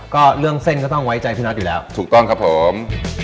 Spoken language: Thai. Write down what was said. ก็เรื่องเส้นก็ต้องไว้ใจพี่น็อตอยู่แล้วถูกต้องครับผม